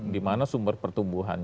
di mana sumber perusahaan